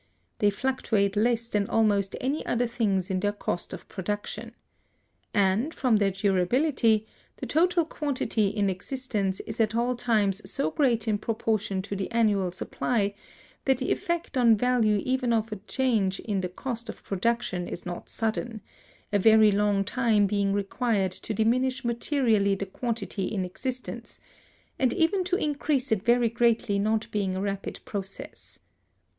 They fluctuate less than almost any other things in their cost of production. And, from their durability, the total quantity in existence is at all times so great in proportion to the annual supply, that the effect on value even of a change in the cost of production is not sudden: a very long time being required to diminish materially the quantity in existence, and even to increase it very greatly not being a rapid process.